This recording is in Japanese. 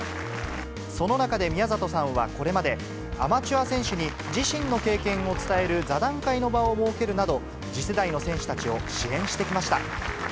その中で宮里さんはこれまで、アマチュア選手に自身の経験を伝える座談会の場を設けるなど、次世代の選手たちを支援してきました。